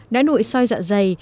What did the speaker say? đã nội soi dạ dày